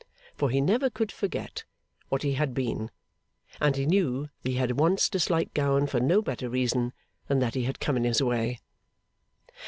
For he never could forget what he had been; and he knew that he had once disliked Gowan for no better reason than that he had come in his way.